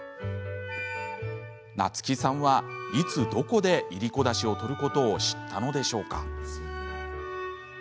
菜月さんは、いつどこでいりこダシを取ることを知ったのでしょうか？